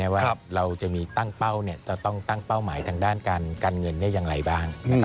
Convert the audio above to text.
ว่าเราจะต้องตั้งเป้าหมายทางด้านการกันเงินยังไหลบ้าง